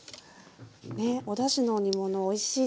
ねえおだしの煮物おいしいですよね。